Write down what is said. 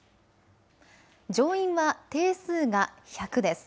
上院は定数が１００です。